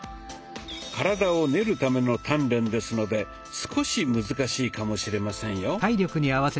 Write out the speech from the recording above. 「体を練るための鍛錬」ですので少し難しいかもしれませんよ。